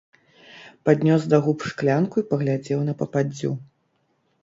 Паднёс да губ шклянку і паглядзеў на пападдзю.